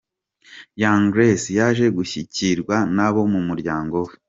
Young Grace yaje gushyigikirwa n’abo mu muryango we.